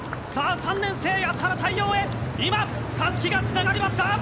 ３年生、安原太陽へたすきがつながりました！